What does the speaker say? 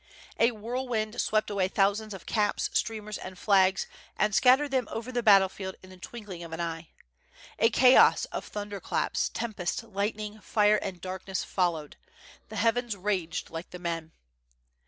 A whirlwind swept away thousands of caps, streamers, and flags, and scattered them over the battle field in the twinkling of an eye. A chaos of thunder clasps, tempest, lightning, fire, and darkness fol lowed,— the heavens raged like the men.